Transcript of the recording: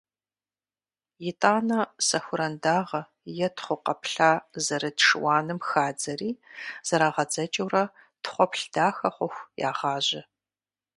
ИтӀанэ сэхуран дагъэ е тхъу къэплъа зэрыт шыуаным хадзэри, зэрагъэдзэкӀыурэ тхъуэплъ дахэ хъуху, ягъажьэ.